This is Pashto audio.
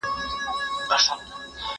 زه بايد پاکوالي وساتم!؟